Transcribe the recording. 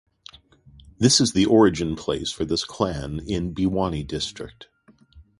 This is the origin place for this clan in Bhiwani district.